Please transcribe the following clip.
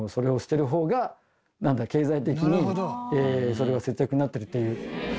それは節約になってるっていう。